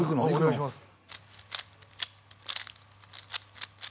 お願いします